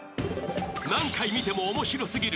［「何回見ても面白過ぎる」］